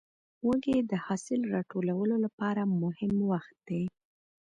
وږی د حاصل راټولو لپاره مهم وخت دی.